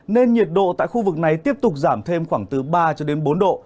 nên nhiệt độ tại khu vực này tiếp tục giảm thêm khoảng từ ba bốn độ